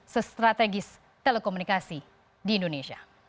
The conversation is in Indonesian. strategis telekomunikasi di indonesia